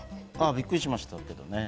びっくりしましたけどね。